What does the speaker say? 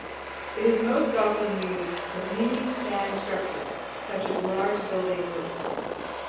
It is most often used for medium-span structures, such as large building roofs.